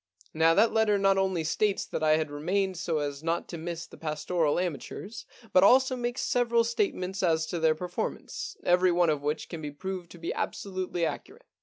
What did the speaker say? Now that letter not only states that I had remained so as not to miss the pastoral amateurs, but also makes several statements as to their performance, every one of which can be proved to be absolutely accurate.